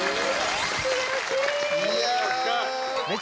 悔しい。